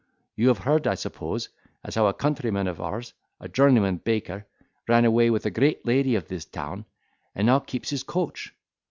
You have heard, I suppose, as how a countryman of ours, a journeyman baker, ran away with a great lady of this town, and now keeps his coach.